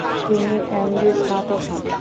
তিনি এম.ডি স্নাতক হন।